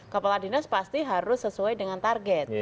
kepala dinas pasti harus sesuai dengan target